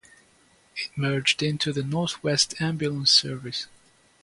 It merged into the North West Ambulance Service.